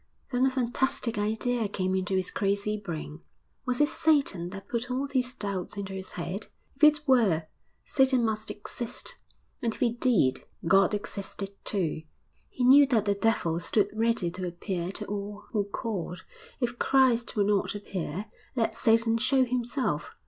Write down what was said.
Then a fantastic idea came into his crazy brain. Was it Satan that put all these doubts into his head? If it were, Satan must exist; and if he did, God existed too. He knew that the devil stood ready to appear to all who called. If Christ would not appear, let Satan show himself.